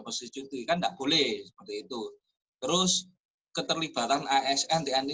posisi itu ikan tak boleh seperti itu terus keterlibatan asn tni pri